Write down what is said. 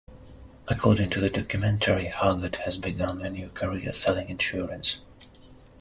According to the documentary, Haggard has begun a new career selling insurance.